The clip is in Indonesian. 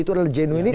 itu adalah genuinitas